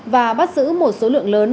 và bắt giữ một số lượng lớn